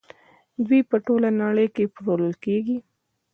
دوی په ټوله نړۍ کې پلورل کیږي.